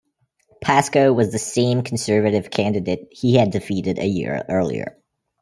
Pascoe was the same Conservative candidate he had defeated a year earlier.